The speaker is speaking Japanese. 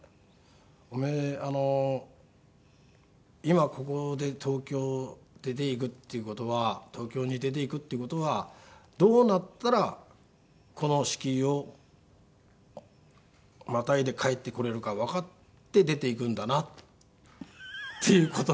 「おめえあの今ここで東京へ出て行くっていう事は東京に出て行くっていう事はどうなったらこの敷居をまたいで帰ってこれるかわかって出て行くんだな？」っていう言葉。